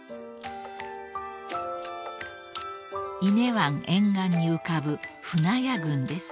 ［伊根湾沿岸に浮かぶ舟屋群です］